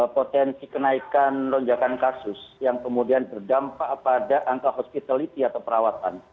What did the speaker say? potensi kenaikan lonjakan kasus yang kemudian berdampak pada angka hospitality atau perawatan